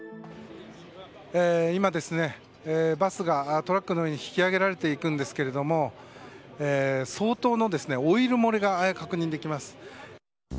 今、バスがトラックの上に引き上げられていくんですけども相当のオイル漏れが確認できます。